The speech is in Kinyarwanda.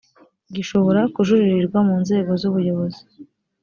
gishobora kujuririrwa mu nzego z ubuyobozi